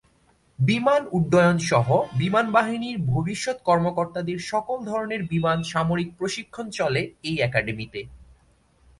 বিমান উড্ডয়ন সহ বিমান বাহিনীর ভবিষ্যৎ কর্মকর্তাদের সকল ধরনের বিমান সামরিক প্রশিক্ষণ চলে এই একাডেমীতে।